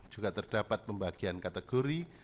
juga terdapat pembagian kategori